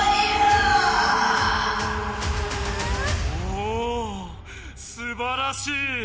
おおすばらしい！